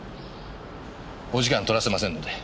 お時間取らせませんので。